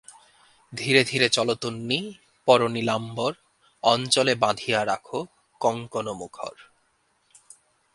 ধীরে ধীরে চলো তন্বী, পরো নীলাম্বর, অঞ্চলে বাঁধিয়া রাখো কঙ্কণ মুখর।